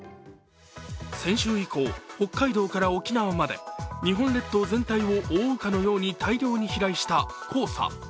先週以降、北海道から沖縄まで日本列島全体を覆うかのように大量に飛来した黄砂。